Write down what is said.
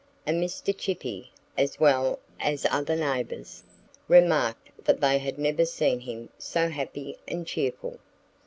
And Mr. Chippy as well as other neighbors remarked that they had never seen him so happy and cheerful.